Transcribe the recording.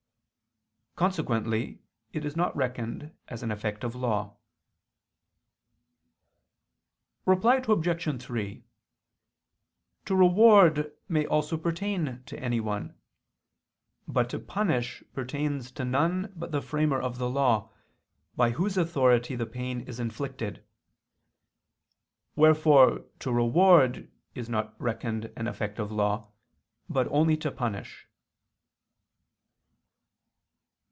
Consequently it is not reckoned as an effect of law. Reply Obj. 3: To reward may also pertain to anyone: but to punish pertains to none but the framer of the law, by whose authority the pain is inflicted. Wherefore to reward is not reckoned an effect of law, but only to punish.